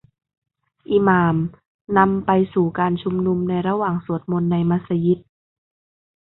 อิหม่ามนำไปสู่การชุมนุมในระหว่างสวดมนต์ในมัสยิด